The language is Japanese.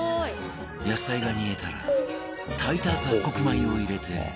野菜が煮えたら炊いた雑穀米を入れて